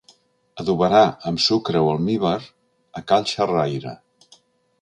Adobarà amb sucre o almívar a cal xerraire.